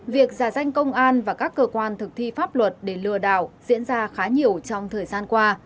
việc giả danh công an và các cơ quan thực thi pháp luật để lừa đảo diễn ra khá nhiều trong thời gian qua